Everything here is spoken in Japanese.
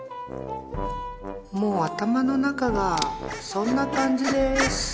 もう頭の中がそんな感じです。